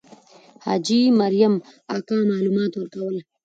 حاجي مریم اکا معلومات ورکول.